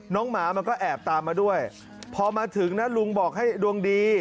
หมามันก็แอบตามมาด้วยพอมาถึงนะลุงบอกให้ดวงดี